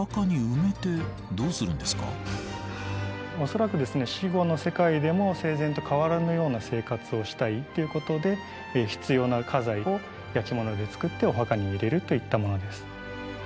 恐らくですね死後の世界でも生前と変わらぬような生活をしたいっていうことで必要な家財を焼き物で作ってお墓に入れるといったものです。